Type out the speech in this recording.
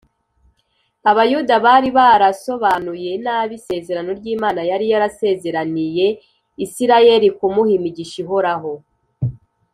Abayuda bari barasobanuye nabi isezerano ry’Imana yari yarasezeraniye Isiraheli kumuha imigisha ihoraho :